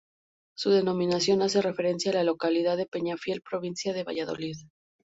Su denominación hace referencia a la localidad de Peñafiel, provincia de Valladolid.